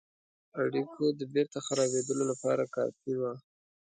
اړېکو د بیرته خرابېدلو لپاره کافي وه.